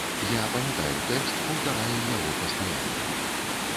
Я памятаю тэкст, паўтараю яго пастаянна.